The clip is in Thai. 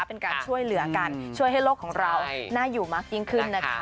เป็นการช่วยเหลือกันช่วยให้โลกของเราน่าอยู่มากยิ่งขึ้นนะคะ